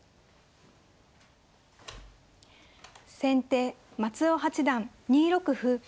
先手松尾八段２六歩。